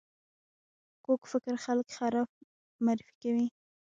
کوږ فکر خلک خراب معرفي کوي